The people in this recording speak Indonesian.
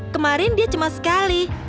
kemarin dia cemas sekali